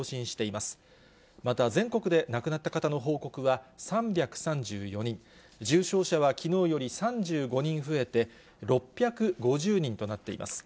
また、全国で亡くなった方の報告は３３４人、重症者はきのうより３５人増えて、６５０人となっています。